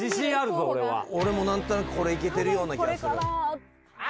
俺も何となくこれいけてるような気はするああ